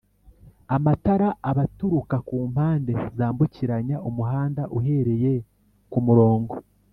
Amatara aba atukura ku mpande zambukiranya umuhanda uhereye k umurongo